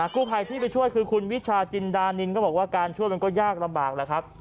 กู้ภัยที่ไปช่วยคือคุณวิชาจินดานินก็บอกว่าการช่วยมันก็ยากลำบากแหละครับ